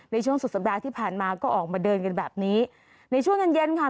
ในช่วงสุดสัปดาห์ที่ผ่านมาก็ออกมาเดินกันแบบนี้ในช่วงเย็นเย็นค่ะ